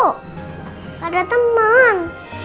gak ada teman